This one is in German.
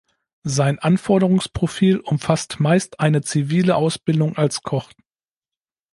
Sein Anforderungsprofil umfasst meist eine zivile Ausbildung als Koch.